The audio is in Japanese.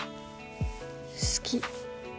好き